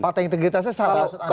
pakta integritasnya salah maksud anda